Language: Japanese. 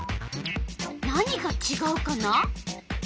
何がちがうかな？